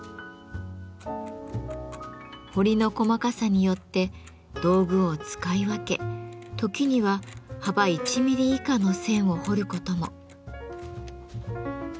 彫りの細かさによって道具を使い分け時には幅１ミリ以下の線を彫ることも。